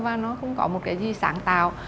và nó không có một cái gì sáng tạo